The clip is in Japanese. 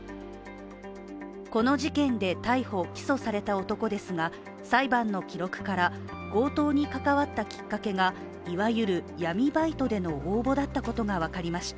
この事件で逮捕・起訴された男ですが、裁判の記録から強盗に関わったきっかけがいわゆる闇バイトでの応募だったことが分かりました。